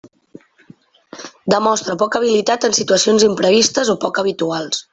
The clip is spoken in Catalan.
Demostra poca habilitat en situacions imprevistes o poc habituals.